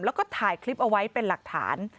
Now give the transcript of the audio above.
แล้วก็ถ่ายคลิปเอาไว้เป็นหลักฐาน